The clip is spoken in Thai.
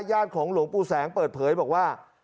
ของหลวงปู่แสงเปิดเผยบอกว่า